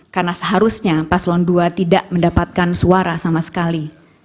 karena seharusnya paslon dua tidak mendapatkan suara sama sekali